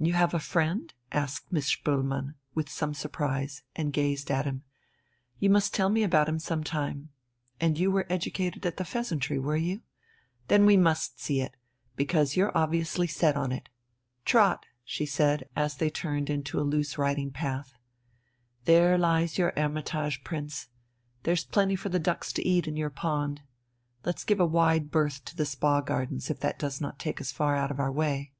"You have a friend?" asked Miss Spoelmann, with some surprise, and gazed at him. "You must tell me about him some time. And you were educated at the 'Pheasantry,' were you? Then we must see it, because you're obviously set on it. Trot!" she said as they turned into a loose riding path. "There lies your hermitage, Prince. There's plenty for the ducks to eat in your pond. Let's give a wide berth to the Spa Gardens, if that does not take us far out of our way."